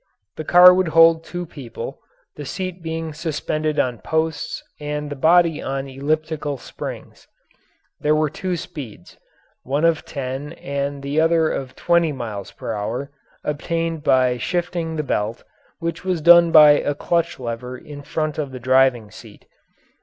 The car would hold two people, the seat being suspended on posts and the body on elliptical springs. There were two speeds one of ten and the other of twenty miles per hour obtained by shifting the belt, which was done by a clutch lever in front of the driving seat.